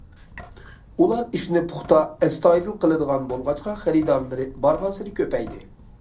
ئۇلار ئىشنى پۇختا، ئەستايىدىل قىلىدىغان بولغاچقا خېرىدارلىرى بارغانسېرى كۆپەيدى.